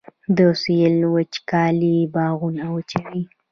د سویل وچکالي باغونه وچوي